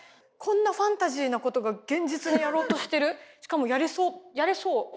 こんなファンタジーなことが現実にやろうとしてるしかもやれそうやれそう？